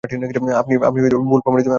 আপনি ভুল প্রমাণিত হতে বাধ্য!